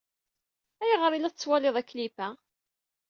Ayɣer ay la tettwaliḍ aklip-a?